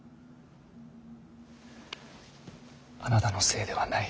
あなたのせいではない。